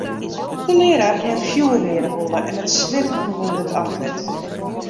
De learaar hie in fjoerreade holle en it swit rûn him oer it antlit.